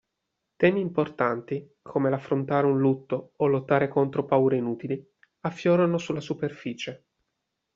Temi importanti, come l'affrontare un lutto o lottare contro paure inutili, affiorano sulla superficie.